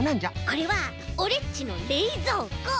これはオレっちのれいぞうこ！